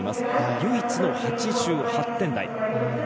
唯一の８８点台。